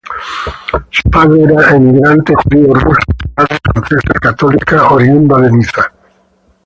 Su padre era emigrante judío ruso y su madre francesa católica oriunda de Niza.